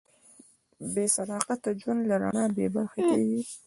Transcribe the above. بېصداقته ژوند له رڼا بېبرخې کېږي.